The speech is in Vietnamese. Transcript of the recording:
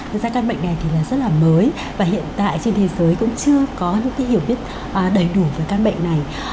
thực ra căn bệnh này thì rất là mới và hiện tại trên thế giới cũng chưa có những hiểu biết đầy đủ về căn bệnh này